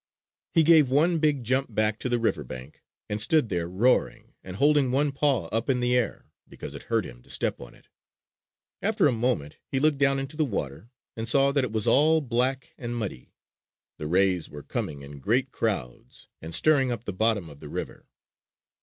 He gave one big jump back to the river bank and stood there roaring, and holding one paw up in the air because it hurt him to step on it. After a moment he looked down into the water and saw that it was all black and muddy. The rays were coming in great crowds and stirring up the bottom of the river.